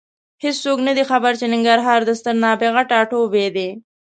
هېڅوک نه دي خبر چې ننګرهار د ستر نابغه ټاټوبی دی.